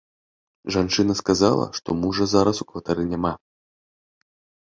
Жанчына сказала, што мужа зараз у кватэры няма.